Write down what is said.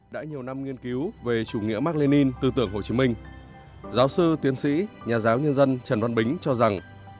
đã nhiều năm nghiên cứu về chủ nghĩa mark lenin tư tưởng hồ chí minh giáo sư tiến sĩ nhà giáo nhân dân trần văn bính cho rằng